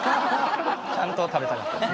ちゃんと食べたかったんです。